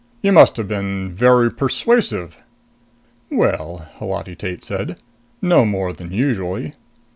You must have been very persuasive?" "Well," Holati Tate said, "no more than usually."